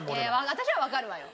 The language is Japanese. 私はわかるわよ。